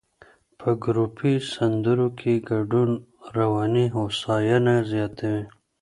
په ګروپي سندرو کې ګډون رواني هوساینه زیاتوي.